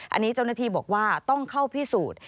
อันนี้เจ้าหน้าที่บอกว่าต้องเข้าพิสูจน์